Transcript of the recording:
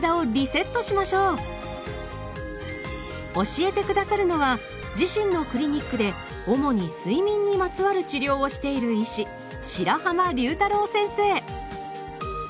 教えて下さるのは自身のクリニックで主に睡眠にまつわる治療をしている医師先生